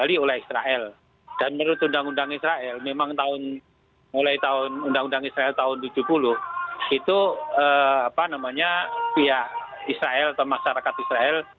israel atau masyarakat israel